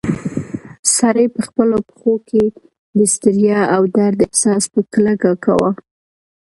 سړی په خپلو پښو کې د ستړیا او درد احساس په کلکه کاوه.